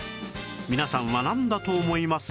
皆さんはなんだと思いますか？